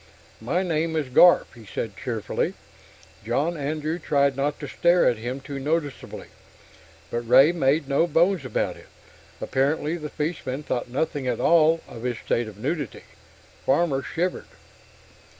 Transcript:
"My name is Garf," he said cheerfully. John Andrew tried not to stare at him too noticeably, but Ray made no bones about it; apparently the fishman thought nothing at all of his state of nudity. Farmer shivered.